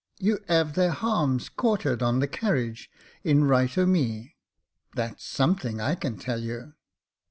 You 'ave their ^arms quartered on the carriage in right o' me. That's some thing, I can tell you."